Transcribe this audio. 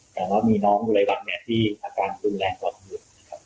แต่ว่ามีน้องหลายวัดที่อาการดูแรงกว่าที่เมื่อ